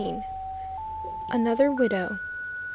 ANOTHER WIDOW.